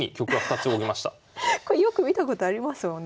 これよく見たことありますもん。